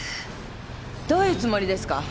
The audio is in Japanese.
どういうつもりですか？